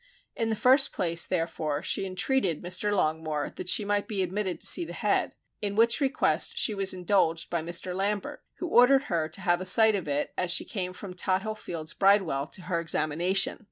In the first place, therefore, she entreated Mr. Longmore that she might be admitted to see the head, in which request she was indulged by Mr. Lambert, who ordered her to have a sight of it as she came from Tothill Fields Bridewell to her examination.